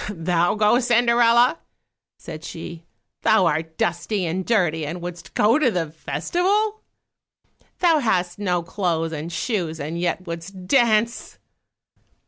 "Thou go, Cinderella!" said she; "Thou art dusty and dirty and wouldst go to the festival? Thou hast no clothes and shoes, and yet wouldst dance!"